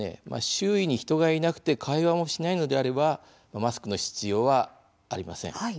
周囲に人がいなくて会話もしないのであればマスクの必要はありません。